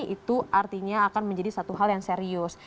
itu artinya akan menjadi satu hal yang serius